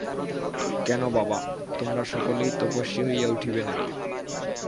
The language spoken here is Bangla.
কেন বাবা, তোমরা সকলেই তপস্বী হইয়া উঠিবে নাকি?